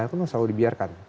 itu selalu dibiarkan